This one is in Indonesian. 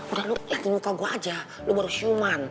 udah lo liat muka gue aja lo baru siuman